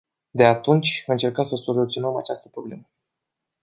De atunci, încercăm să soluționăm această problemă.